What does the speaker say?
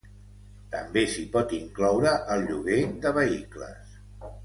També s'hi pot incloure el lloguer de vehicles.